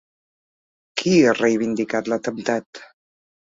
Qui ha reivindicat l'atemptat?